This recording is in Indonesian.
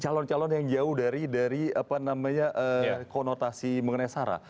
calon calon yang jauh dari konotasi mengenai sarah